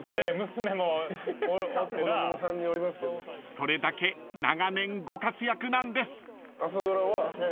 ［それだけ長年ご活躍なんです］